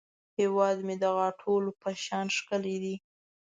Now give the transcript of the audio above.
هیواد مې د غاټولو په شان ښکلی دی